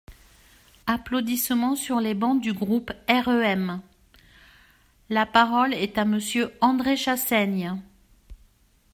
(Applaudissements sur les bancs du groupe REM.) La parole est à Monsieur André Chassaigne.